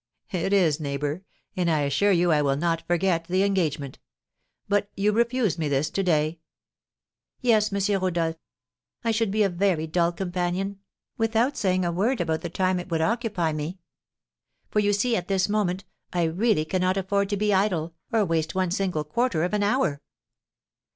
"It is, neighbour; and I assure you I will not forget the engagement. But you refuse me this to day?" "Yes, M. Rodolph. I should be a very dull companion, without saying a word about the time it would occupy me; for, you see, at this moment, I really cannot afford to be idle, or waste one single quarter of an hour."